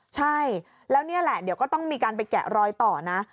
ใช่แล้วนี่แหละเดี๋ยวก็ต้องมีการไปแกะรอยต่อนะ